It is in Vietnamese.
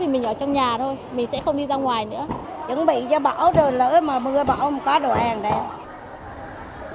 mình sẽ không đi ra ngoài nữa chuẩn bị cho bão rồi lỡ mà mưa bão có đồ hàng